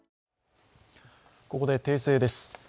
ここで訂正です。